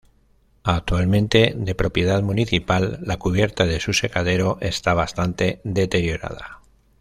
Actualmente, de propiedad municipal, la cubierta de su secadero está bastante deteriorada.